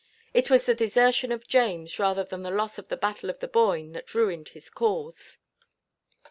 It was the desertion of James, rather than the loss of the battle of the Boyne, that ruined his cause.